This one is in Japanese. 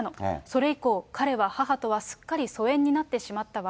それ以降、彼は母とはすっかり疎遠になってしまったわ。